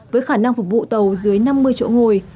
với khả năng phục vụ tàu dưới năm mươi chỗ ngồi